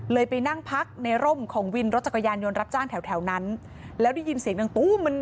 ไปนั่งพักในร่มของวินรถจักรยานยนต์รับจ้างแถวแถวนั้นแล้วได้ยินเสียงดังตู้มัน